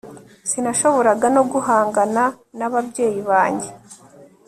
sinashoboraga no guhangana n'ababyeyi banjye